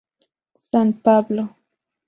San Pablo.